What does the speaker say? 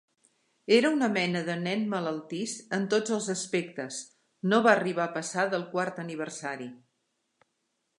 Era una mena de nen malaltís en tots els aspectes, no va arribar a passar del quart aniversari.